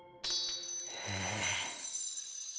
へえ。